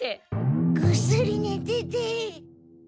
ぐっすりねてて。